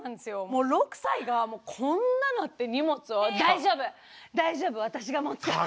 もう６歳がこんななって荷物を「大丈夫大丈夫私が持つから」